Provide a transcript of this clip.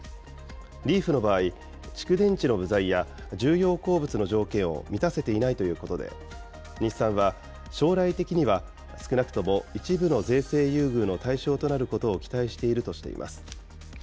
リーフの場合、蓄電池の部材や重要鉱物の条件を満たせていないということで、日産は、将来的には少なくとも一部の税制優遇の対象となることを期待しているとしています。